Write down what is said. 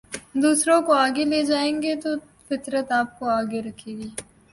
دوسروں کو آگے لے جائیں گے تو فطرت آپ کو آگے رکھے گی